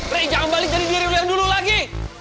ray jangan balik jadi diri lu yang dulu lagi